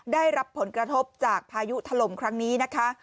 ได้รับผลกระทบจากพายุถล่มครั้งนี้นะคะ